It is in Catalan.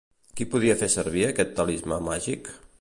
Qui podia fer servir aquest talismà màgic?